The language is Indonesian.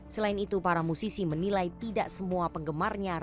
selain itu para musisi menilai tidak semua penggemarnya